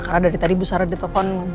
karena dari tadi buzara di telepon